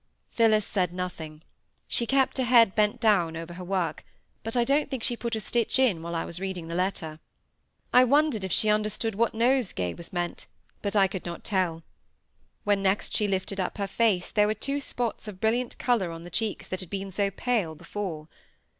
Phillis said nothing. She kept her head bent down over her work; but I don't think she put a stitch in, while I was reading the letter. I wondered if she understood what nosegay was meant; but I could not tell. When next she lifted up her face, there were two spots of brilliant colour on the cheeks that had been so pale before.